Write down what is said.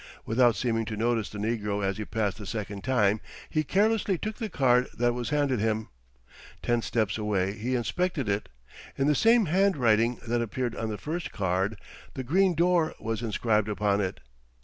Without seeming to notice the negro as he passed the second time, he carelessly took the card that was handed him. Ten steps away he inspected it. In the same handwriting that appeared on the first card "The Green Door" was inscribed upon it.